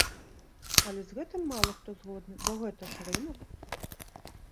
Але з гэтым мала хто згодны, бо гэта ж рынак.